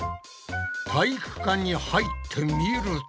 体育館に入ってみると。